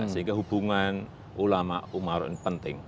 sehingga hubungan ulama umar ini penting